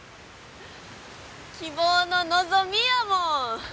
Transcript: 希望の「望」やもん。